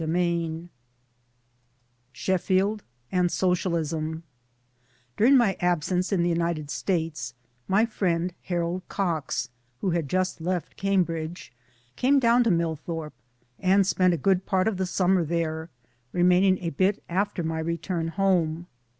VII SHEFFIELD AND SOCIALISM DURING my absence in the United States, my friend Harold Cox, who had just left Cambridge, came down to Millthorpe and spent a good part of the summer there remaining a bit after my return home.